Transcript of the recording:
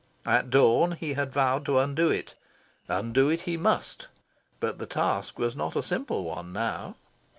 At dawn he had vowed to undo it. Undo it he must. But the task was not a simple one now.